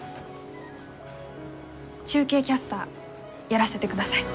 中継キャスターやらせてください。